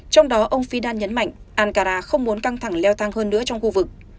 trong đó ông fidan nhấn mạnh ankara không muốn căng thẳng leo thang hơn nữa trong khu vực